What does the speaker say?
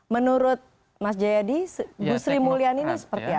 menurut mas jayadi industri mulia ini seperti apa